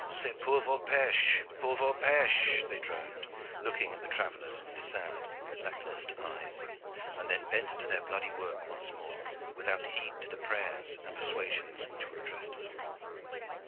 "C'est pour vos peches pour vos peches," they droned, looking at the travellers with sad lack lustre eyes, and then bent to their bloody work once more without heed to the prayers and persuasions which were addressed to them.